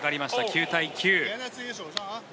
９対９。